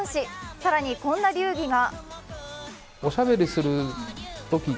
さらにこんな流儀が。